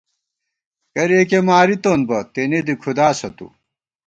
کریَکےمارِتون بہ تېنےدی کھُداسہ تُو